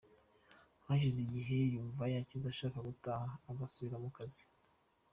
Hashize igihe yumva yakize ashaka gutaha agasubira mu kazi.